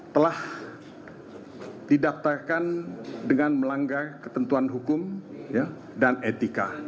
telah didaftarkan dengan melanggar ketentuan hukum dan etika